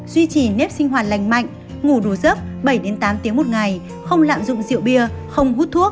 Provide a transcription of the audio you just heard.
duy trì nếp sinh hoạt lành mạnh ngủ đủ giấc bảy tám tiếng một ngày không lạm dụng rượu bia không hút thuốc